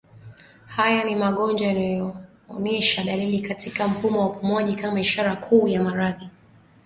Haya ni magonjwa yanayoonesha dalili katika mfumo wa upumuaji kama ishara kuu ya maradhi